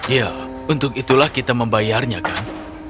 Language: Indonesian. ya untuk itulah kita membayarnya kan